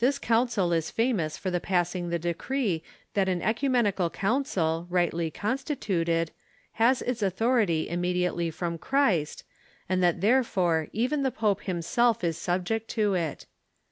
This Council is famous for passing the decree that an oecumenical council, rightly consti tuted, has its authority immediately from Christ, and that therefore even the pope himself is subject to it.